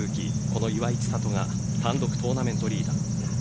この岩井千怜が単独トーナメントリーダー。